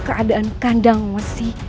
keadaan kandang wesi